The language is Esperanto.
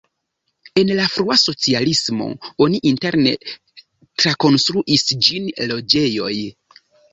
En la frua socialismo oni interne trakonstruis ĝin loĝejoj.